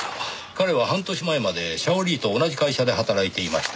彼は半年前までシャオリーと同じ会社で働いていました。